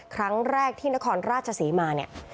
ครั้งแรกที่นครราชศรีมาเนี่ย